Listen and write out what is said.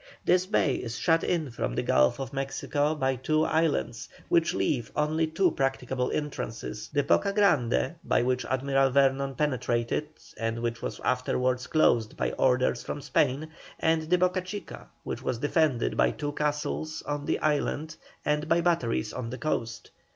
This bay is shut in from the Gulf of Mexico by two islands, which leave only two practicable entrances the Boca Grande, by which Admiral Vernon penetrated, and which was afterwards closed by orders from Spain, and the Boca Chica, which was defended by two castles on the island and by batteries on the coast.